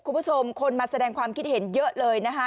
คุณผู้ชมคนมาแสดงความคิดเห็นเยอะเลยนะคะ